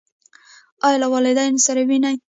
ایا له والدینو سره وینئ؟